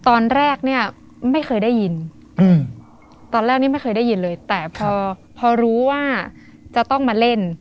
ตอนแรกเนี่ยไม่เคยได้ยินตอนแรกนี้ไม่เคยได้ยินเลยแต่พอพอรู้ว่าจะต้องมาเล่น